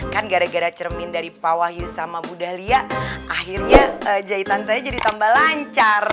kan gara gara cermin dari pak wahyu sama bu dalia akhirnya jahitan saya jadi tambah lancar